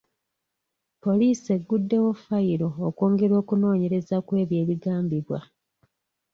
Poliisi egguddewo fayiro okwongera okunoonyereza ku ebyo ebigambibwa.